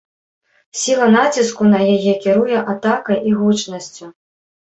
Сіла націску на яе кіруе атакай і гучнасцю.